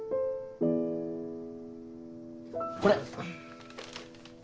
これ。